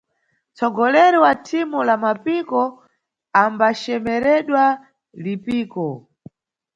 Nʼtsogoleri wa thimu la Mapiko ambacemeredwa Lipiko.